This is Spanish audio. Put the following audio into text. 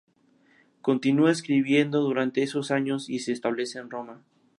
Continúa escribiendo durante esos años y se establece en Roma.